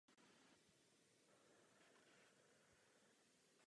Odpovím na některé konkrétní otázky.